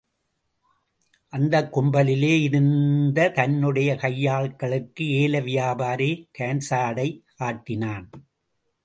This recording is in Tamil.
அந்தக் கும்பலிலே இருந்த தன்னுடைய கையாள்களுக்கு, ஏல வியாபாரி கண்சாடை காட்டினான்.